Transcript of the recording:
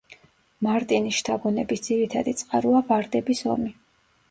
მარტინის შთაგონების ძირითადი წყაროა ვარდების ომი.